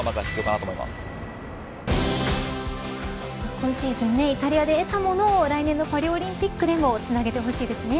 今シーズン、イタリアで得たものを来年のパリオリンピックでもつなげてほしいですね。